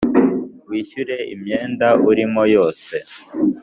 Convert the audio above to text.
wishyure imyenda urimo yose